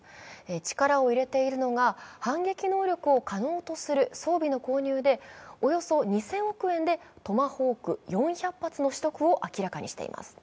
力を入れているのが、反撃能力を可能とする装備の購入でおよそ２０００億円でトマホーク４００発の取得を明らかにしています。